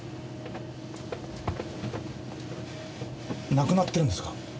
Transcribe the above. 亡くなってるんですか？